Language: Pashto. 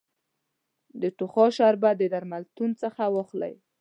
د ټوخا شربت د درملتون څخه واخلی